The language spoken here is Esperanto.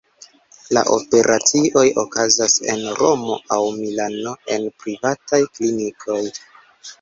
La operacioj okazas en Romo aŭ Milano, en privataj klinikoj.